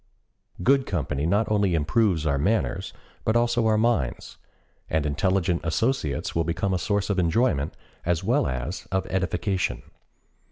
Good company not only improves our manners, but also our minds, and intelligent associates will become a source of enjoyment as well as of edification.